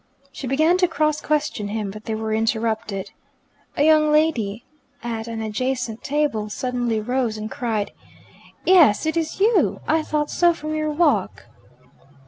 She began to cross question him, but they were interrupted. A young lady at an adjacent table suddenly rose and cried, "Yes, it is you. I thought so from your walk."